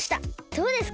どうですか？